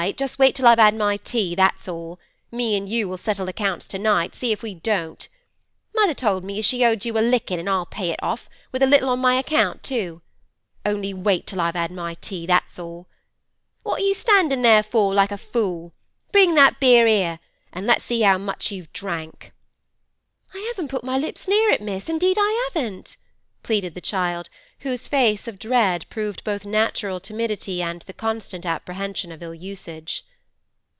just wait till I've 'ad my tea, that's all! Me an' you'll settle accounts to night, see if we don't. Mother told me as she owed you a lickin', and I'll pay it off, with a little on my own account too. Only wait till I've 'ad my tea, that's all. What are you standin' there for, like a fool? Bring that beer 'ere, an' let's see 'ow much you've drank.' 'I haven't put my lips near it, miss; indeed I haven't,' pleaded the child, whose face of dread proved both natural timidity and the constant apprehension of ill usage.